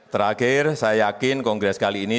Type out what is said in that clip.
terakhir saya yakin kongres kali ini